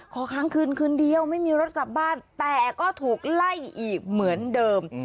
ค้างคืนคืนเดียวไม่มีรถกลับบ้านแต่ก็ถูกไล่อีกเหมือนเดิม